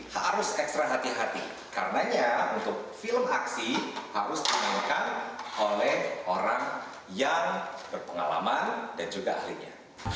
harus ekstra hati hati karenanya untuk film aksi harus dimainkan oleh orang yang berpengalaman dan juga ahlinya